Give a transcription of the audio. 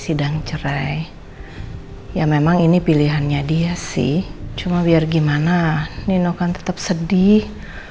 sidang cerai ya memang ini pilihannya dia sih cuma biar gimana nino akan tetap sedih